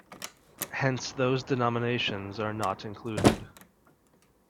Hence those denominations are not included.